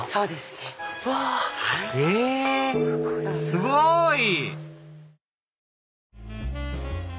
すごい！